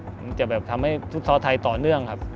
มันจะแบบทำให้ฟุตซอลไทยต่อเนื่องครับ